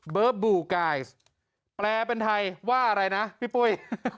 บูกายแปลเป็นไทยว่าอะไรนะพี่ปุ้ย